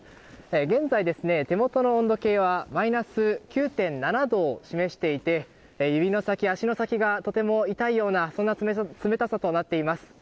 現在、手元の温度計はマイナス９．７度を示していて指の先、足の先がとても痛いようなそんな冷たさとなっています。